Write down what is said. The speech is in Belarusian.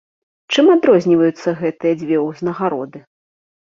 Чым адрозніваюцца гэтыя дзве ўзнагароды?